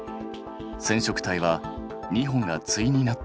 染色体は２本が対になっている。